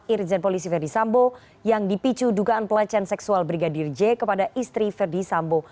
irjen polisi verdi sambo yang dipicu dugaan pelecehan seksual brigadir j kepada istri verdi sambo